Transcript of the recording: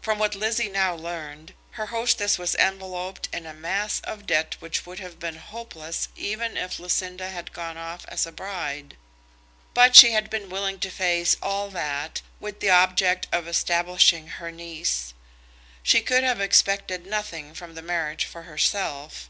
From what Lizzie now learned, her hostess was enveloped in a mass of debt which would have been hopeless, even had Lucinda gone off as a bride; but she had been willing to face all that with the object of establishing her niece. She could have expected nothing from the marriage for herself.